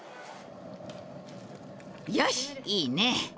よしいいね！